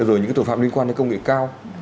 rồi những tội phạm liên quan đến công nghệ cao